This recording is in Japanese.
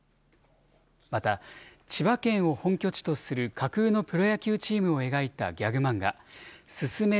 また、千葉県を本拠地とする架空のプロ野球チームを描いたギャグ漫画、すすめ！！